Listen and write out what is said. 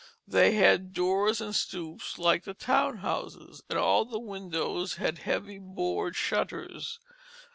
They had doors and stoops like the town houses, and all the windows had heavy board shutters.